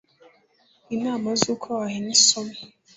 inama z uko wahina isomo